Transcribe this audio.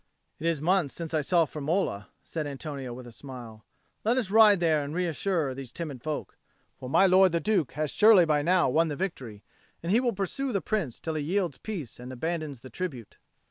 "It is months since I saw Firmola," said Antonio with a smile. "Let us ride there and reassure these timid folk. For my lord the Duke has surely by now won the victory, and he will pursue the Prince till he yields peace and abandons the tribute."